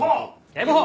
警部補！